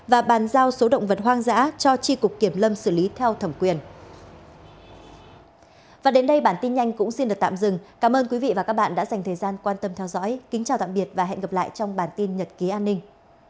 và đến đây bản tin nhanh cũng xin được tạm dừng cảm ơn quý vị và các bạn đã dành thời gian quan tâm theo dõi kính chào tạm biệt và hẹn gặp lại trong bản tin nhật ký an ninh